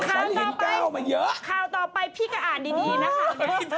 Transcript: คราวต่อไปพี่ก็อ่านดีนะคะ